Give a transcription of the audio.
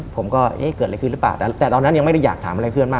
ผมก็เอ๊ะเกิดอะไรขึ้นหรือเปล่าแต่ตอนนั้นยังไม่ได้อยากถามอะไรเพื่อนมาก